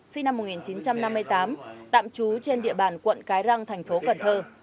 sinh năm một nghìn chín trăm năm mươi tám tạm trú trên địa bàn quận cái răng thành phố cần thơ